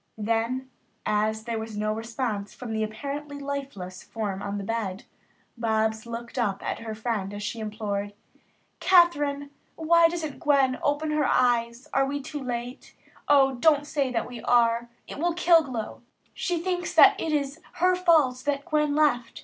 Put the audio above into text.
Then, as there was no response from the apparently lifeless form on the bed, Bobs looked up at her friend as she implored: "Kathryn, why doesn't Gwen open her eyes? Are we too late? O, don't say that we are. It will kill Glow. She thinks that it is her fault that Gwen left.